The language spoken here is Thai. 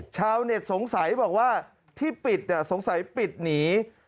ชาวเน็ตสงสัยบอกว่าที่ปิดสงสัยปิดหนี